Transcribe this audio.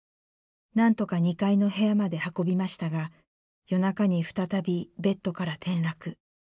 何とか２階の部屋まで運びましたが夜中に再びベッドから転落。